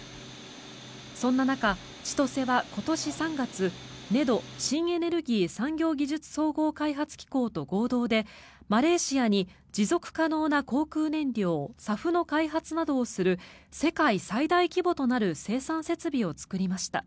そんな中、ちとせは今年３月ＮＥＤＯ＝新エネルギー・産業技術総合開発機構と合同でマレーシアに持続可能な航空燃料・ＳＡＦの開発などをする世界最大規模となる生産設備を作りました。